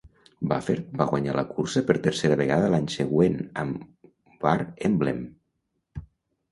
Baffert va guanyar la cursa per tercera vegada l'any següent amb War Emblem.